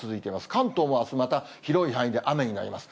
関東もあすまた、広い範囲で雨になります。